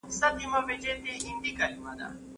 د هغې ښځي چي خاوند صالح وي؟